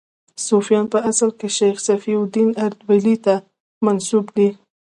صفویان په اصل کې شیخ صفي الدین اردبیلي ته منسوب دي.